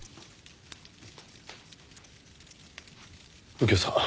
右京さん